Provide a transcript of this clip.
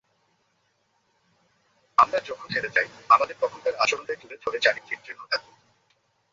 আমরা যখন হেরে যাই, আমাদের তখনকার আচরণটাই তুলে ধরে চারিত্রিক দৃঢ়তা।